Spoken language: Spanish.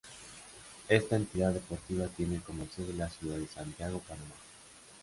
Esta entidad deportiva tiene como sede la ciudad de Santiago, Panamá.